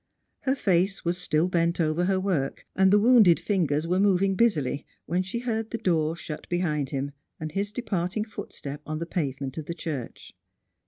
Her face was still bent over her work, and the wounded fingers Avere moving busily, when she heard the door shut behind him, and his departing footstep on the pavement of the church.